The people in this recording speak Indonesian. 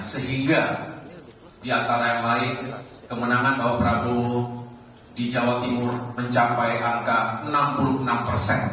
sehingga diantara yang lain kemenangan bahwa prabowo di jawa timur mencapai angka enam puluh enam persen